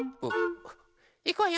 いくわよ！